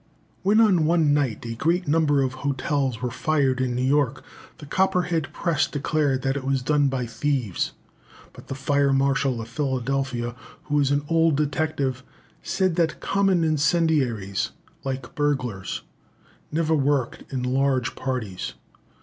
When on one night a great number of hotels were fired in New York, the Copperhead press declared that it was done by thieves. But the Fire Marshal of Philadelphia, who was an old detective, said that common incendiaries like burglars never worked in large parties.